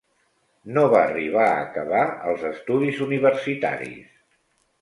No va arribar a acabar els estudis universitaris.